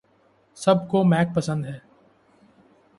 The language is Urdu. سب کو میک پسند ہیں